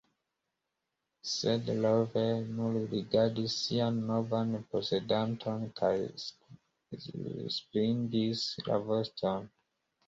Sed Rover nur rigardis sian novan posedanton kaj svingis la voston.